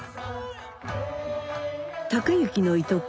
隆之のいとこ